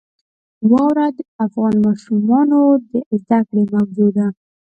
واوره د افغان ماشومانو د زده کړې موضوع ده.